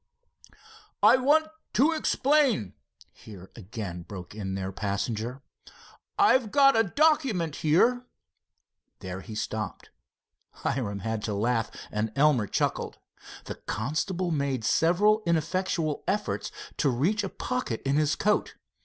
"I want to explain," here again broke in their passenger. "I've got a document here——" There he stopped. Hiram had to laugh and Elmer chuckled. The constable made several ineffectual efforts to reach a pocket in his coat.